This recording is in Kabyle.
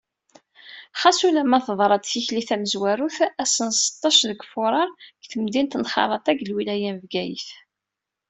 xas ulamma teḍra-d tikli tamezwarut ass, n sṭac deg furar deg temdint n Xerraṭa, deg lwilaya n Bgayet.